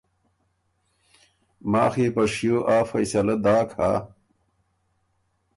ماخ يې په شیو آ فیصَلۀ داک هۀ